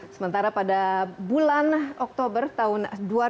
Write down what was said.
sementara pada bulan oktober tahun dua ribu lima belas